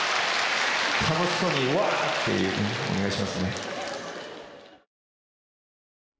楽しそうにわあっていうねお願いしますね。